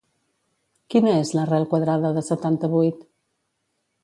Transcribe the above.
Quina és l'arrel quadrada de setanta-vuit?